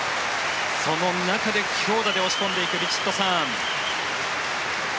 その中で強打で押し込んでいくヴィチットサーン。